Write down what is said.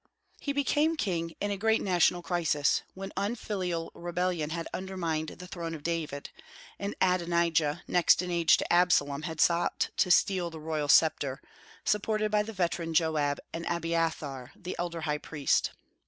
He became king in a great national crisis, when unfilial rebellion had undermined the throne of David, and Adonijah, next in age to Absalom, had sought to steal the royal sceptre, supported by the veteran Joab and Abiathar, the elder high priest.